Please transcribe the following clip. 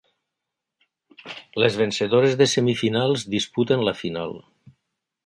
Les vencedores de semifinals disputen la final.